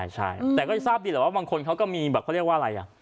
ใช่แต่ก็จะทราบดีแหละว่าบางคนเขาก็มีแบบเขาเรียกว่าอะไร